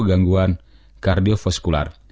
dan menimbulkan kemampuan pembuluh darah